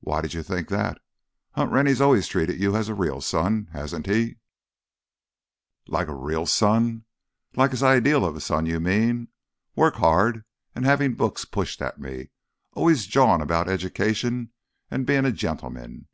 "Why did you think that? Hunt Rennie's always treated you as a real son, hasn't he?" "Like a real son? Like his idea of a son, you mean. Work hard—an' havin' books pushed at me. Always jawin' about education an' bein' a gentleman!